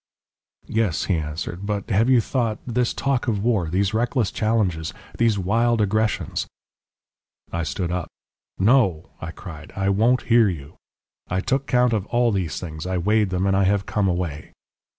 "'Yes,' he answered. 'But have you thought? this talk of war, these reckless challenges, these wild aggressions ' "I stood up. "'No,' I cried. 'I won't hear you. I took count of all those things, I weighed them and I have come away.'